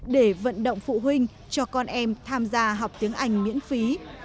để vận động phụ huynh cho con em tham gia học tiếng anh miễn phí